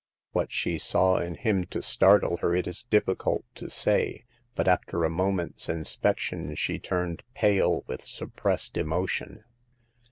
What she saw in him to startle her it is difficult to say ; but after a moment's inspection she turned pale with suppressed emotion.